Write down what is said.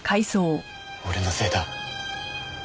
俺のせいだ。